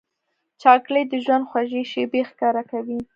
چاکلېټ د ژوند خوږې شېبې ښکاره کوي.